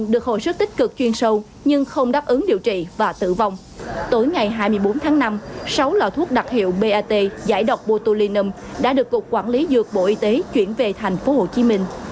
tối ngày hai mươi bốn tháng năm sáu loại thuốc đặc hiệu bat giải độc botulinum đã được cục quản lý dược bộ y tế chuyển về thành phố hồ chí minh